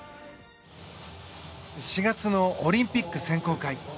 ４月のオリンピック選考会。